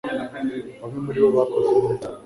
bamwe muri bo bakoze neza